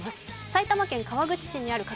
埼玉県川口市にあります